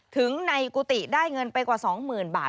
ถึงในกุฏิได้เงินไปกว่า๒๐๐๐บาท